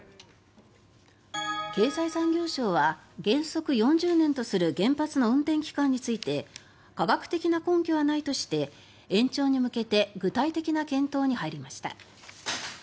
経済産業省は原則４０年とする原発の運転期間について科学的な根拠はないとして延長に向けて具体的な検討に入りました。